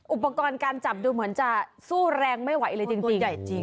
อุปกรณ์การจับดูเหมือนจะสู้แรงไม่ไหวเลยจริง